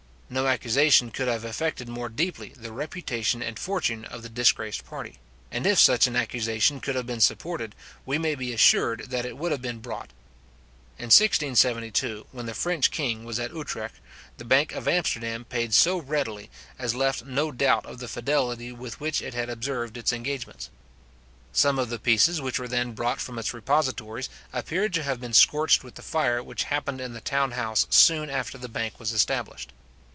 No accusation could have affected more deeply the reputation and fortune of the disgraced party; and if such an accusation could have been supported, we may be assured that it would have been brought. In 1672, when the French king was at Utrecht, the bank of Amsterdam paid so readily, as left no doubt of the fidelity with which it had observed its engagements. Some of the pieces which were then brought from its repositories, appeared to have been scorched with the fire which happened in the town house soon after the bank was established.